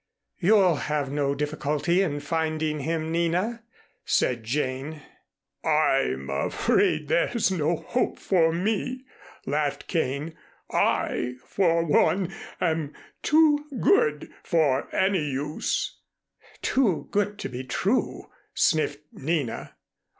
"You'll have no difficulty in finding him, Nina," said Jane. "I'm afraid there's no hope for me," laughed Kane. "I, for one, am too good for any use." "Too good to be true," sniffed Nina.